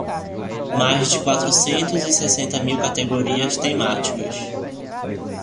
Mais de quatrocentos e sessenta mil categorias temáticas.